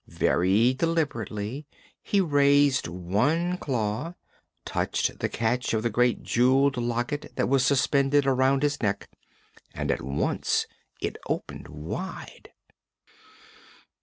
Very deliberately he raised one claw, touched the catch of the great jeweled locket that was suspended around his neck, and at once it opened wide.